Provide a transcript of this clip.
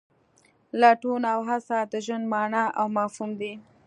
لټون او هڅه د ژوند مانا او مفهوم دی.